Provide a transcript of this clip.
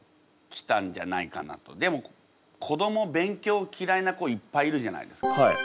でも子ども勉強嫌いな子いっぱいいるじゃないですか。